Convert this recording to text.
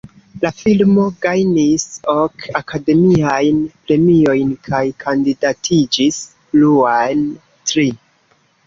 La filmo gajnis ok Akademiajn Premiojn kaj kandidatiĝis pluan tri.